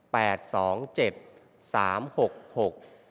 สองเจ็ดสามหกหก